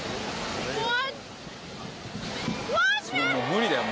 無理だよ。